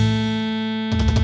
serta menanggung yang megang